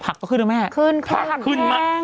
ผักก็ขึ้นหรือไม่ขึ้นแพงมาก